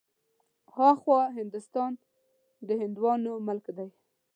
ها خوا هندوستان د هندوانو ملک دی.